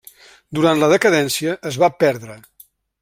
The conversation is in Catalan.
Durant la decadència es va perdre.